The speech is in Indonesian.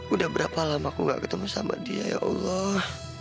udah berapa lama aku gak ketemu sama dia ya allah